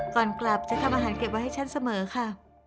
ก่อนกลับจะทำอาหารเก็บไว้ให้ฉันเสมอค่ะ